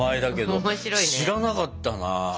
知らなかった？